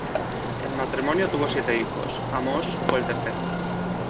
El matrimonio tuvo siete hijos, Amós fue el tercero.